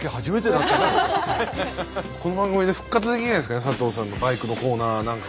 この番組で復活できないんですかね佐藤さんのバイクのコーナーなんか。